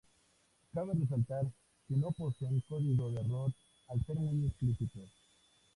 Cabe resaltar que no poseen código de error al ser muy explícitos.